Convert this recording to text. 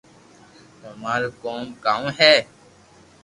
تمارو ڪوم ڪاؤ ھي